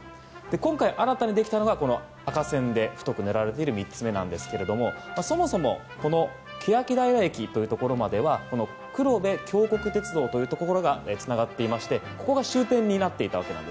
今回新たにできたのが赤線で太く塗られている３つ目なんですがそもそも欅平駅までは黒部峡谷鉄道というところがつながっていましてここが終点になっていました。